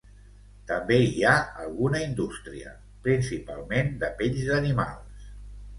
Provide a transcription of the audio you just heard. També hi ha alguna indústria, principalment de pells d'animals.